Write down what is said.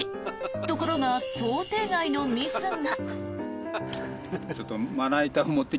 ところが、想定外のミスが。